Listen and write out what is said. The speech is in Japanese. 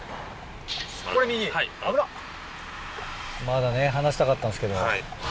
まだね話したかったんですけど。